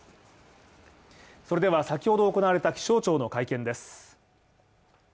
それでは先ほど行われた気象庁の会見です。